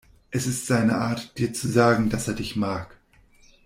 Es ist seine Art, dir zu sagen, dass er dich mag.